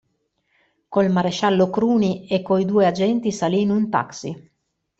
Col maresciallo Cruni e coi due agenti salì in un taxi.